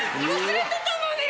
忘れてたのに！